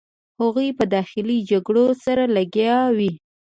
هغوی په داخلي جګړو سره لګیا وې.